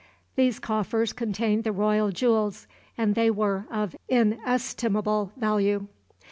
These coffers contained the royal jewels, and they were of inestimable value.